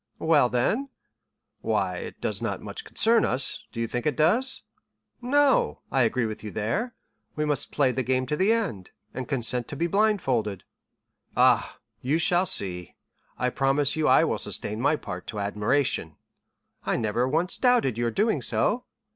"Well, then——" "Why, it does not much concern us, do you think it does?" "No; I agree with you there. We must play the game to the end, and consent to be blindfolded." "Ah, you shall see; I promise you I will sustain my part to admiration." "I never once doubted your doing so."